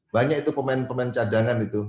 banyak itu pemain pemain cadangan itu